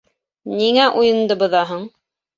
— Ниңә уйынды боҙаһың!